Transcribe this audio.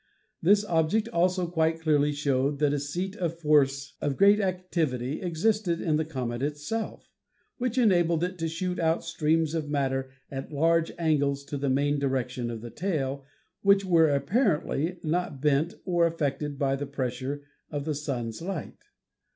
This object also quite clearly showed that a seat of force of great activity existed in the comet itself, which enabled it to shoot out streams of matter at large angles to the main direction of the tail, which were apparently not bent or affected by the pres sure of the Sun's light.